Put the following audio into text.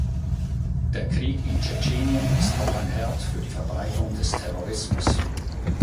Der Krieg in Tschetschenien ist auch ein Herd für die Verbreitung des Terrorismus.